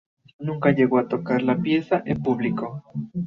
Nunca llegó a tocar la pieza en público.